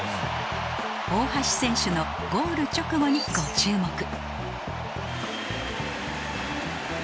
大橋選手のゴール直後にご注目。